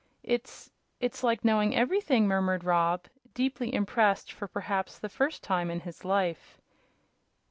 "It's it's like knowing everything," murmured Rob, deeply impressed for perhaps the first time in his life.